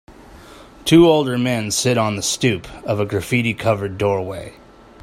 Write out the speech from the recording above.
Two older men sit on the stoop of a graffiti covered doorway.